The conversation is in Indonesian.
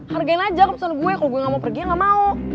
hargain aja keputusan gue kalau gue gak mau pergi ya nggak mau